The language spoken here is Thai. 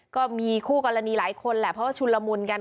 ก็มีคู่กรณีหลายคนแหละเพราะว่าชุนละมุนกัน